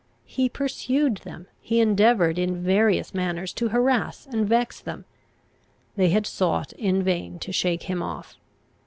He pursued them; he endeavoured in various manners to harass and vex them; they had sought in vain to shake him off.